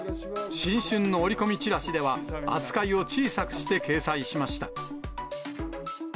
新春の折り込みチラシでは、扱いを小さくして掲載しました。